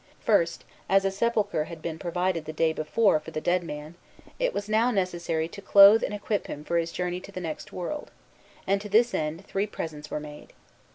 First, as a sepulchre had been provided the day before for the dead man, it was now necessary to clothe and equip him for his journey to the next world; and to this end three presents were made.